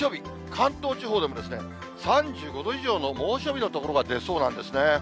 関東地方でも３５度以上の猛暑日の所が出そうなんですね。